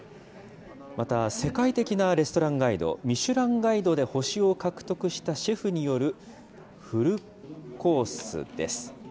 また世界的なレストランガイド、ミシュランガイドで星を獲得したシェフによるフルコースです。